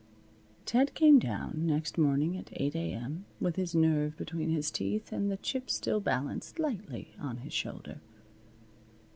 Ted came down next morning at 8 A.M. with his nerve between his teeth and the chip still balanced lightly on his shoulder.